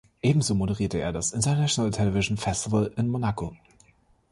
Ebenso moderierte er das International Television Festival in Monaco.